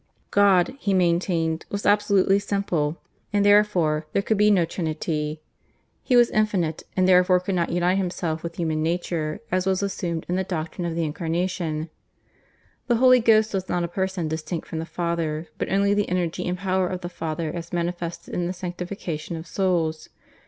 God, he maintained, was absolutely simple and therefore there could be no Trinity; He was infinite, and therefore could not unite Himself with human nature, as was assumed in the doctrine of the Incarnation; the Holy Ghost was not a person distinct from the Father, but only the energy and power of the Father as manifested in the sanctification of souls.